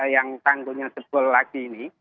yang tanggulnya jebol lagi ini